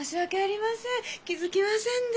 気付きませんで。